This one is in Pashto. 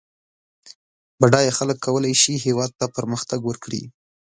بډای خلک کولای سي هېواد ته پرمختګ ورکړي